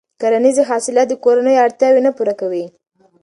کرنیزې حاصلات د کورنیو اړتیاوې نه پوره کوي.